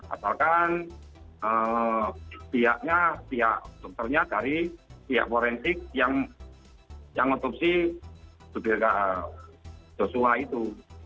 asalkan pihaknya pihak otopsinya dari pihak forensik yang otopsi josua itu